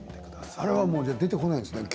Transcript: あれは出てこないですね。